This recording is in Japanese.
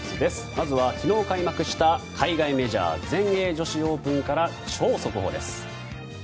まずは昨日開幕した海外メジャー全英女子オープンから超速報です。